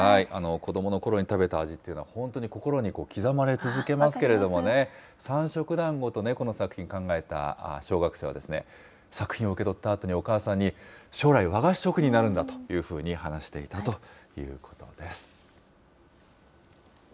子どものころに食べた味というのは、本当に心に刻まれ続けますけれどもね、三色だんごと猫の作品考えた小学生はですね、作品を受け取ったあとにお母さんに、将来、和菓子職人になるんだというふうに話していたということなんです。